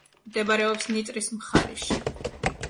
მდებარეობს ნიტრის მხარეში.